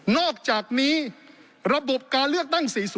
อกจากนี้ระบบการเลือกตั้ง๔๐